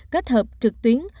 kết hợp trực tuyến